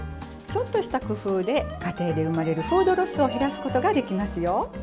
ちょっとした工夫で家庭で生まれるフードロスを減らすことができますよ。